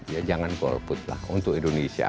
ya jangan golput lah untuk indonesia